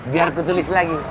biar aku tulis lagi